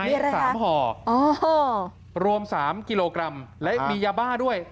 ไอ้สามห่อโอ้โหรวมสามกิโลกรัมและมียาบ้าด้วย